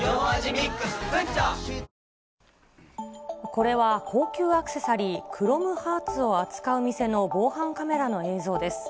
これは高級アクセサリー、クロムハーツを扱う店の防犯カメラの映像です。